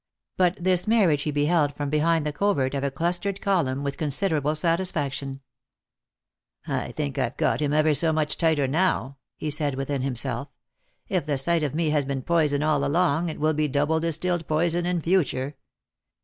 But this marriage he beheld from behind the covert of a clustered column with con siderable satisfaction. 256 Lost for Love. " I think I've got him ever so much tighter now," he said within himself. " If the sight of me has been poison all along, it will be double distilled poison in future.